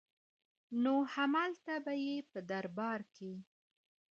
نو هملته به يې دربار کې